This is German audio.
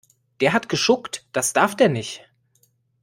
Der hat geschuckt, das darf der nicht.